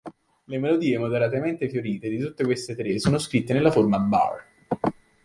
Le melodie "moderatamente fiorite" di tutte queste tre sono scritte nella forma bar.